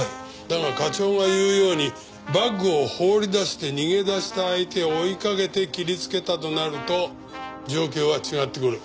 だが課長が言うようにバッグを放り出して逃げ出した相手を追いかけて切りつけたとなると状況は違ってくる。